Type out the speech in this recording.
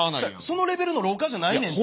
そのレベルの老化じゃないねんて。